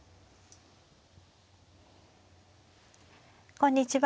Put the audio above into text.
こんにちは。